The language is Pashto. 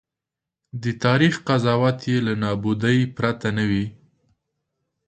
د تاریخ قضاوت یې له نابودۍ پرته نه وي.